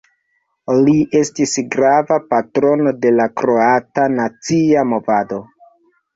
Li estis grava patrono de la kroata nacia movado.